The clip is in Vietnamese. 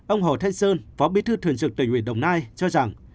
ông hồ thanh sơn phó bí thư thường trực tỉnh ủy đồng nai cho rằng